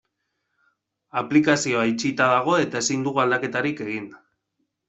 Aplikazioa itxita dago eta ezin dugu aldaketarik egin.